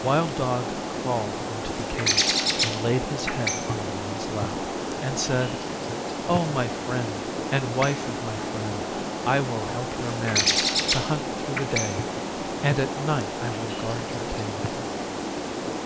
Wild Dog crawled into the Cave and laid his head on the Woman's lap, and said, 'O my Friend and Wife of my Friend, I will help Your Man to hunt through the day, and at night I will guard your Cave.